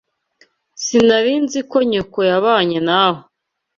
Sinari nzi ko nyoko yabanye nawe.